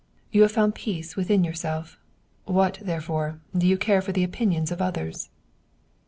You have found peace within yourself; what, therefore, do you care for the opin ions of others